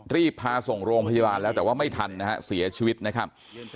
รีบพาส่งโรงพยาบาลแล้วแต่ว่าไม่ทันนะฮะเสียชีวิตนะครับ